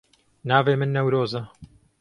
Navê min Newroz e.